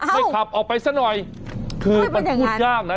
ไม่ขับออกไปซะหน่อยคือมันพูดยากนะ